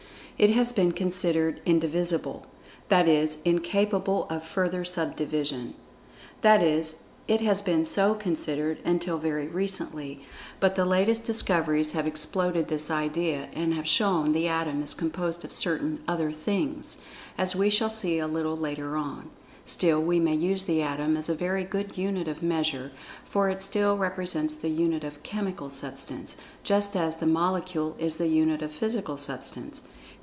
It has been considered indivisible—that is, incapable of further sub division. That is, it has been so considered, until very recently, but the latest discoveries have exploded this idea, and have shown the Atom is composed of certain other Things, as we shall see a little later on. Still we may use the Atom as a very good unit of measurement, for it still represents the unit of chemical Substance, just as the molecule is the unit of physical Substance.